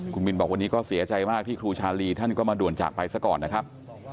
คุณบินบอกวันนี้ก็เสียใจมากที่ครูชาลีท่านก็มาด่วนจากไปซะก่อนนะครับ